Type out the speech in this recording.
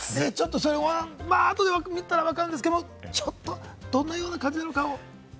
後で見たら分かるんですけれども、どのような感じなのか、ちょっと。